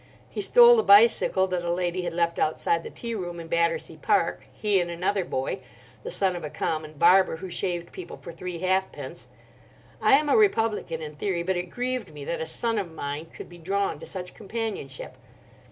He stole a bicycle that a lady had left outside the tea room in Battersea Park, he and another boy, the son of a common barber, who shaved people for three halfpence. I am a Republican in theory, but it grieved me that a son of mine could be drawn to such companionship.